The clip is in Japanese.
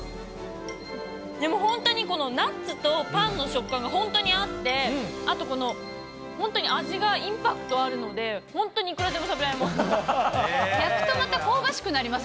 本当にナッツとパンの食感が本当に合って、あとこの本当に味がインパクトあるので、本当にいくらでも食べられます。